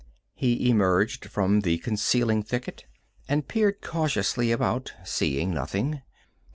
He emerged from the concealing thicket and peered cautiously about, seeing nothing.